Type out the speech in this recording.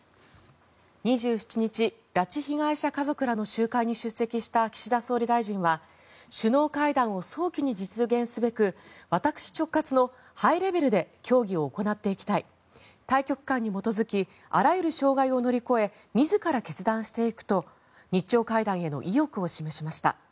２７日、拉致被害者家族らの集会に出席した岸田総理大臣は首脳会談を早期に実現すべく私直轄のハイレベルで協議を行っていきたい大局観に基づきあらゆる障害を乗り越え自ら決断していくと日朝会談への意欲を示しました。